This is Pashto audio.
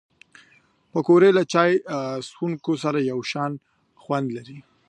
پکورې له چای څښونکو سره یو شان خوند لري